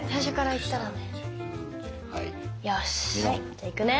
じゃあいくね。